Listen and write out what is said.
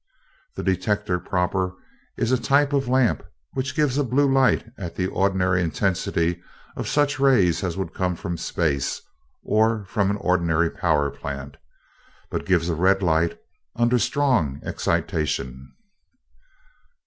The detector proper is a type of lamp, which gives a blue light at the ordinary intensity of such rays as would come from space or from an ordinary power plant, but gives a red light under strong excitation."